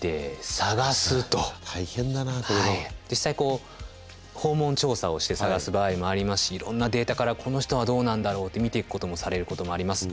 実際訪問調査をして探す場合もありますしいろんなデータからこの人はどうなんだろうって見ていくこともされることもあります。